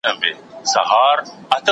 پر مځکي باندې نن سهار ډېره پرخه لوېدلې وه.